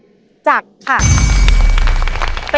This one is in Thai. มีใจได้ขอกับเบอร์